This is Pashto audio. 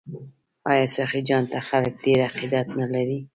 آیا سخي جان ته خلک ډیر عقیدت نلري؟